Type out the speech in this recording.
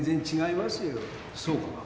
そうかな。